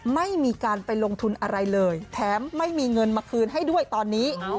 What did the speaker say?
ไม่มีการไปลงทุนอะไรเลยแถมไม่มีเงินมาคืนให้ด้วยตอนนี้